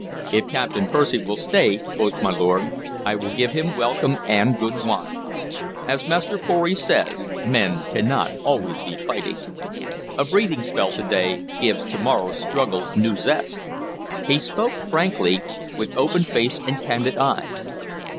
"If Captain Percy will stay," quoth my lord, "I will give him welcome and good wine. As Master Pory says, men cannot be always fighting. A breathing spell to day gives to morrow's struggle new zest." He spoke frankly, with open face and candid eyes.